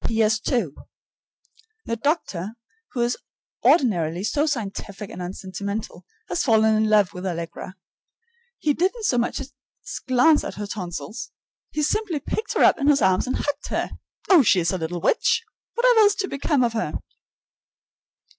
P.S. II. The doctor, who is ordinarily so scientific and unsentimental, has fallen in love with Allegra. He didn't so much as glance at her tonsils; he simply picked her up in his arms and hugged her. Oh, she is a little witch! Whatever is to become of her?